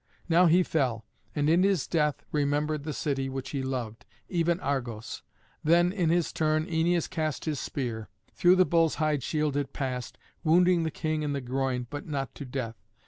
Now he fell, and in his death remembered the city which he loved, even Argos. Then in his turn Æneas cast his spear. Through the bull's hide shield it passed, wounding the king in the groin, but not to death.